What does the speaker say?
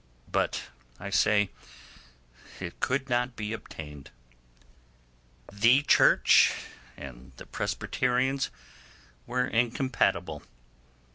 But, I say, it could not be obtained. The quarrel remained; the Church and the Presbyterians were incompatible.